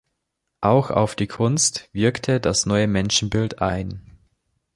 Auch auf die Kunst wirkte das neue Menschenbild ein.